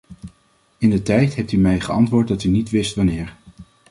Indertijd hebt u mij geantwoord dat u niet wist wanneer.